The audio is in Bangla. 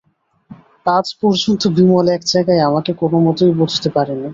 আজ পর্যন্ত বিমল এক জায়গায় আমাকে কোনোমতেই বুঝতে পারে নি।